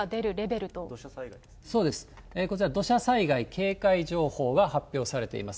こちら、土砂災害警戒情報が発表されています。